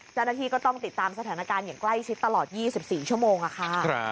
เจ้าหน้าที่ก็ต้องติดตามสถานการณ์อย่างใกล้ชิดตลอด๒๔ชั่วโมงค่ะ